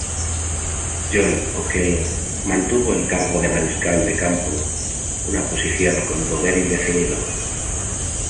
John Okello mantuvo el cargo de mariscal de campo, una posición con poder indefinido.